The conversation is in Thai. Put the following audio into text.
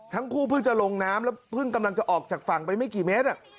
ทั้งคู่เพิ่งจะลงน้ำแล้วเพิ่งกำลังจะออกจากฝั่งไปไม่กี่เมตร